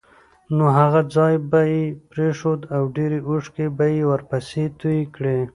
نو هغه ځای به یې پرېښود او ډېرې اوښکې به یې ورپسې تویې کړې.